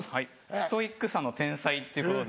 ストイックさの天才っていうことで。